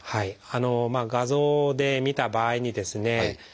画像でみた場合にですね